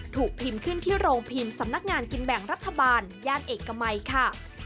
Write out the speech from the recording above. ถูกพิมพ์ขึ้นที่โรงพิมพ์สำนักงานกินแบ่งรัฐบาลย่านเอกมัยค่ะ